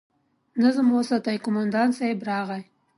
نظم وساتئ! قومندان صيب راغی!